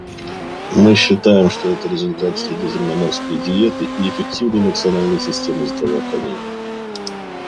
Мы считаем, что это результат средиземноморской диеты и эффективной национальной системы здравоохранения.